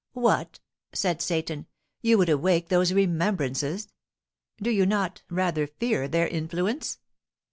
"What!" said Seyton, "you would awake those remembrances? Do you not rather fear their influence?"